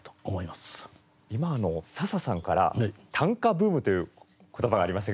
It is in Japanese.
今あの笹さんから「短歌ブーム」という言葉がありましたけれども。